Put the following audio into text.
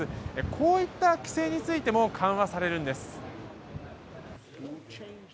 こういった規制についても緩和されるんです。